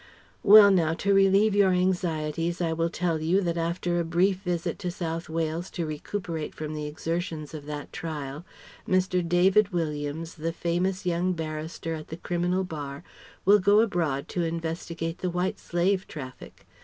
"Well now, to relieve your anxieties, I will tell you, that after a brief visit to South Wales to recuperate from the exertions of that trial, Mr. David Williams the famous young barrister at the Criminal Bar will go abroad to investigate the White Slave Traffic.